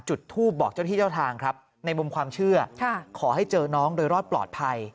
จุดทูปบอกเจ้าที่เจ้าทางครับในมุมความเชื่อขอให้เจอน้องโดยรอดปลอดภัย